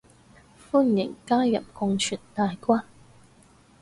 歡迎加入共存大軍